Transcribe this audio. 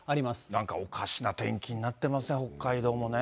なんかおかしな天気になってますね、北海道もね。